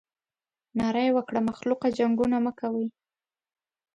ناره یې وکړه مخلوقه جنګونه مه کوئ.